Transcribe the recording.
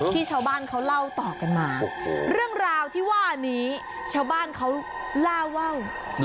ชาวบ้านเขาเล่าต่อกันมาเรื่องราวที่ว่านี้ชาวบ้านเขาล่าว่าว